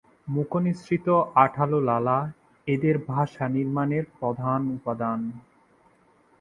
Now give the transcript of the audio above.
মুখ-নিঃসৃত আঠালো লালা এদের বাসা নির্মাণের প্রধান উপাদান।